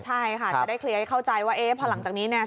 ใช่ค่ะจะได้เคลียร์ให้เข้าใจว่าเอ๊ะพอหลังจากนี้เนี่ย